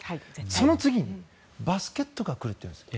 その次にバスケットが来るというんです。